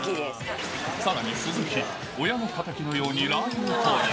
さらに鈴木は親のかたきのようにラー油を投入。